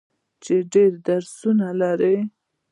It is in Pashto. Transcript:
چې ډیر درسونه لري.